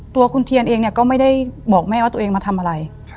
ตัวคุณเทียนเองเนี่ยก็ไม่ได้บอกแม่ว่าตัวเองมาทำอะไร